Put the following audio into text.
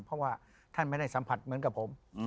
เพราะว่าท่านไม่ได้สัมผัสเหมือนกับผม